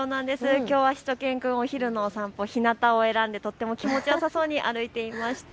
きょうはしゅと犬くん、お昼のお散歩、ひなたを選んでとっても気持ちよさそうに歩いていました。